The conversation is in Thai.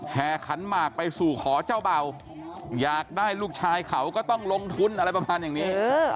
ขันหมากไปสู่ขอเจ้าเบาอยากได้ลูกชายเขาก็ต้องลงทุนอะไรประมาณอย่างนี้